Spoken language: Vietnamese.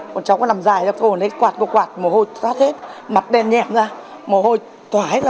còn cháu có làm dài cho cô cô ấy quạt cô quạt mồ hôi sát hết mặt đen nhẹm ra mồ hôi chết hết